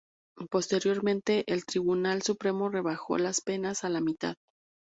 Posteriormente, el Tribunal Supremo rebajó las penas a la mitad.